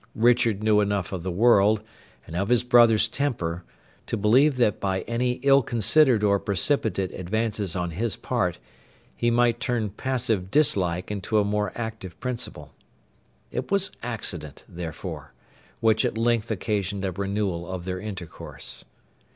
Richard knew enough of the world, and of his brother's temper, to believe that by any ill considered or precipitate advances on his part, he might turn passive dislike into a more active principle. It was accident, therefore, which at length occasioned a renewal of their intercourse.